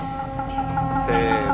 せの。